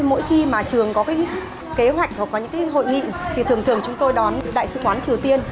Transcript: mỗi khi mà trường có kế hoạch hoặc hội nghị thì thường thường chúng tôi đón đại sứ quán triều tiên